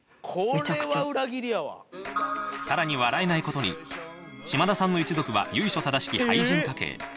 めちゃくさらに笑えないことに、嶋田さんの一族は由緒正しき俳人家系。